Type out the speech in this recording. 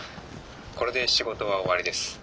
これで仕事は終わりです。